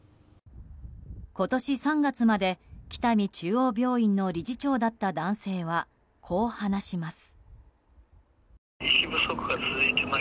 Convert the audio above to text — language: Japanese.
今年３月まで北見中央病院の理事長だった男性はこう話します。